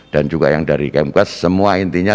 dan juga yang dari kmk semua intinya